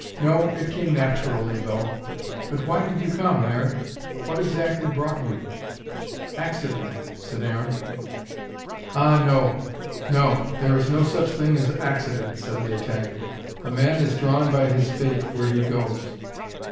"No. It came naturally, though. But why did you come, Aaron? What exactly brought you?" "Accident," said Aaron. "Ah, no! No! There is no such thing as accident," said the Italian. "A man is drawn by his fate, where he goes."